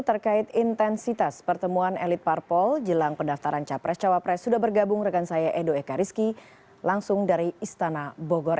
terkait intensitas pertemuan elit parpol jelang pendaftaran capres cawapres sudah bergabung rekan saya edo ekariski langsung dari istana bogor